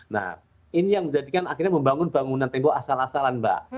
nah ini yang menjadikan akhirnya membangun bangunan tenggok asal asalan mbak